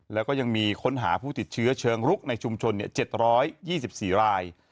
แล้วก็ยังมีค้นหาผู้ติดเชื้อเชิงรุกในชุมชน๗๒๔ราย